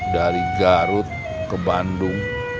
dari garut ke bandung